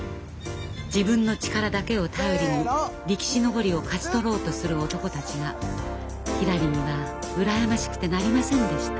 自分の力だけを頼りに力士幟を勝ち取ろうとする男たちがひらりには羨ましくてなりませんでした。